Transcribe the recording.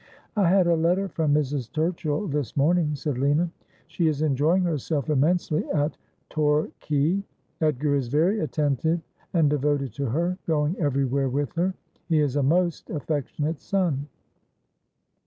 ' I had a letter from Mrs. Turchill this morning,' said Lina ;' she is enjoying herself immensely at Torquay. Edgar is very attentive and devoted to her, going everywhere with her. He is a most affectionate son.'